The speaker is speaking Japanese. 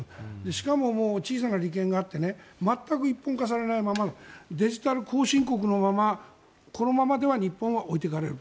しかも小さな利権があって全く一本化されないままデジタル後進国のままこのままでは日本は置いていかれる。